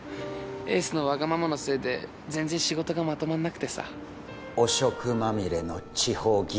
エースのわがままのせいで全然仕事がまとまんなくてさ汚職まみれの地方議員だ